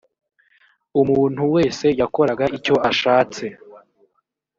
umuntu wese yakoraga icyo ashatse